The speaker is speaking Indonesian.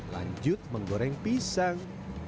lanjut menggoreng pisang